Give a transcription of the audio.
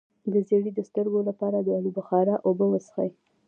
د زیړي د سترګو لپاره د الو بخارا اوبه وڅښئ